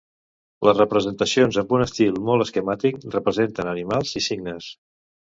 Les representacions, amb un estil molt esquemàtic, representen animals i signes.